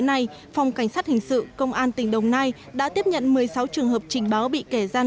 hôm nay phòng cảnh sát hình sự công an tỉnh đồng nai đã tiếp nhận một mươi sáu trường hợp trình báo bị kẻ gian